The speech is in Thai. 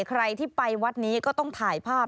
ใครที่ไปวัดนี้ก็ต้องถ่ายภาพ